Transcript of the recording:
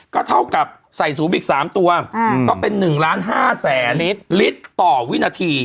ก็เท่ากับใส่สูงอีก๓ตัวก็เป็น๑ล้าน๕แสนลิตรต่อวินาที